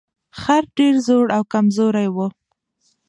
خر ډیر زوړ او کمزوری و.